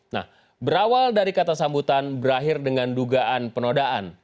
nah berawal dari kata sambutan berakhir dengan dugaan penodaan